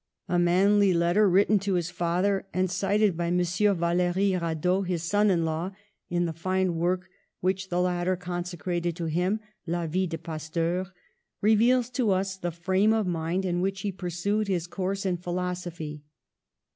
A manly letter written to his father and cited by M. Vallery Radot, his son in law, in the fine work which the latter consecrated to him, La Vie de Pasteur, reveals to us the frame of mind in which he pursued his course in philosophy.